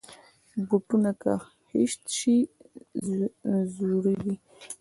بوټونه که خیشت شي، زویږي.